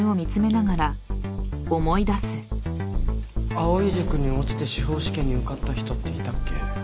藍井塾に落ちて司法試験に受かった人っていたっけ？